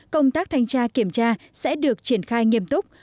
công tác thanh tra kiểm tra sẽ được triển khai nghiêm túc